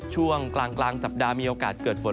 ช่วงกลางสัปดาห์มีโอกาสเกิดฝน